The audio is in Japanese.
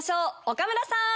岡村さん。